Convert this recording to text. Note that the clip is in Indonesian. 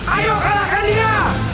ayo kalahkan dia